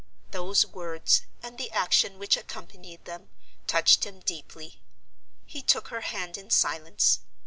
Those words, and the action which accompanied them, touched him deeply. He took her hand in silence.